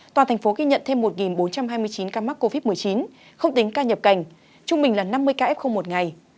toàn thành phố ghi nhận thêm một bốn trăm hai mươi chín ca mắc covid một mươi chín không tính ca nhập cảnh trung bình là năm mươi ca f một ngày